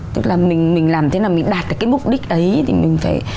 tức là mình làm thế nào mình đạt được cái mục đích ấy thì mình phải